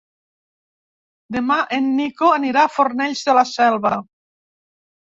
Demà en Nico anirà a Fornells de la Selva.